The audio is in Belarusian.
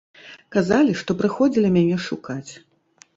Казалі, што прыходзілі мяне шукаць.